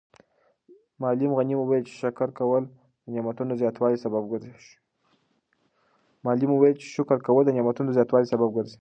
معلم غني وویل چې شکر کول د نعمتونو د زیاتوالي سبب ګرځي.